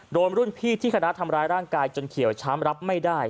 โดนรุ่นพี่ที่คณะทำร้ายร่างกายจนเขียวช้ำรับไม่ได้